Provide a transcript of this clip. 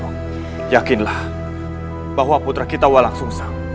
tidak tahu keberadaannya